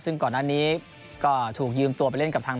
ซึ่งก่อนอันนี้ก็ถูกยืมตัวไปเล่นกับทาง